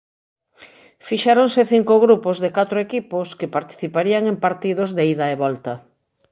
Fixéronse cinco grupos de catro equipos que participarían en partidos de ida e volta.